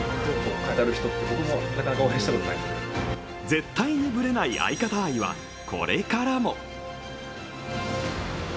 絶対にぶれない相方愛は、これからも。